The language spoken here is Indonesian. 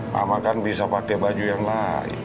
mama kan bisa pake baju yang lain